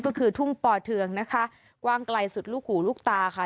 ก็คือทุ่งป่อเทืองนะคะกว้างไกลสุดลูกหูลูกตาค่ะ